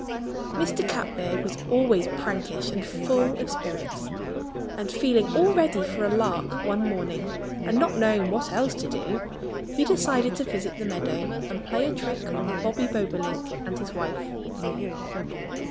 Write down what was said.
Mr. Catbird was always prankish and full of spirits. And feeling all ready for a lark one morning and not knowing what else to do, he decided to visit the meadow and play a trick on Bobby Bobolink and his wife.